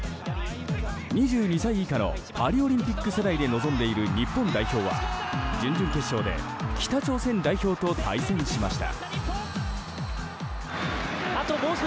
２２歳以下のパリオリンピック世代で臨んでいる日本代表は準々決勝で北朝鮮代表と対戦しました。